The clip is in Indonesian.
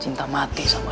cinta mati sama dia